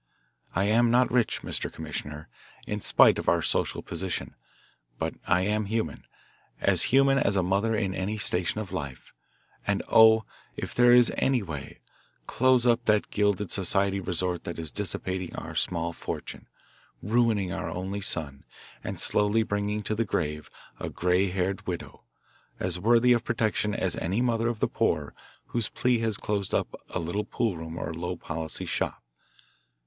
I am not rich, Mr. Commissioner, in spite of our social position, but I am human, as human as a mother in any station of life, and oh, if there is any way, close up that gilded society resort that is dissipating our small fortune, ruining an only son, and slowly bringing to the grave a gray haired widow, as worthy of protection as any mother of the poor whose plea has closed up a little poolroom or low policy shop."